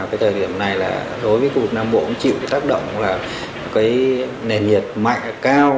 cái thời điểm này là đối với khu vực nam bộ cũng chịu tác động là cái nền nhiệt mạnh cao